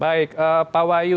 baik pak wahyu